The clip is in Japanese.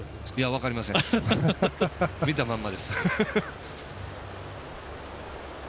分かりません見たまんまです。